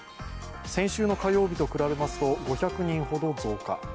先週の火曜日と比べますと５００人ほど増加。